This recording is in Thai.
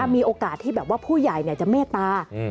มีโอกาสที่แบบว่าผู้ใหญ่จะเมตตา